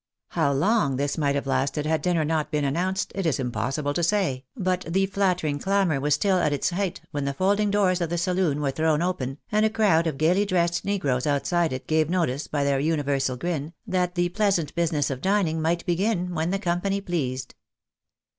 How long this might have lasted had dinner not been announced, it is impossible to say, but the flattering clamour was still at its height when the folding doors of the saloon were thrown open, and a crowd of gaily dressed negroes outside it gave notice, by their universal grin, that the pleasant business of dining might begin when the company pleased.